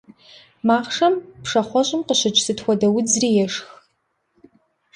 Махъшэм пшахъуэщӀым къыщыкӀ сыт хуэдэ удзри ешх.